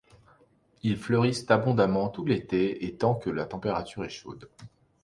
Ils fleurissent abondamment tout l'été et tant que la température est chaude.